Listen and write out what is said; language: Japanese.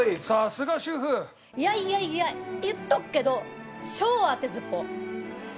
いやいやいや言っとくけど超当てずっぽう。